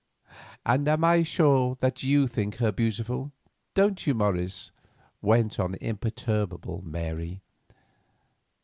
"And I am sure that you think her beautiful, don't you, Morris?" went on the imperturbable Mary.